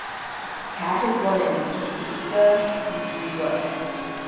Cash was born in Utica, New York.